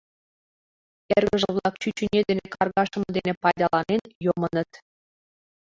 Эргыже-влак, чӱчӱньӧ дене каргашыме дене пайдаланен, йомыныт.